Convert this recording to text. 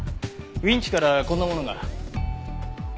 ウィンチからこんなものが。